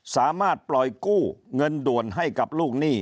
สามารถปล่อยกู้เงินด่วนให้กับลูกหนี้